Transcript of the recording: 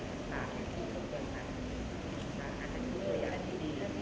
สวัสดีครับสวัสดีครับ